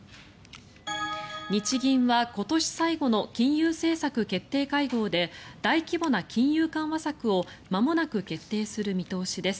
日銀は今年最後の金融政策決定会合で大規模な金融緩和策をまもなく決定する見通しです。